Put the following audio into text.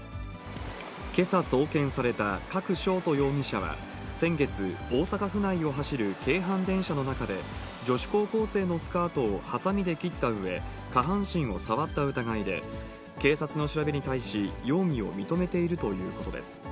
けさ送検された加久翔人容疑者は、先月、大阪府内を走る京阪電車の中で、女子高校生のスカートをはさみで切ったうえ、下半身を触った疑いで、警察の調べに対し、容疑を認めているということです。